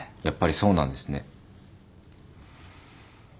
やっぱりそうなんですね。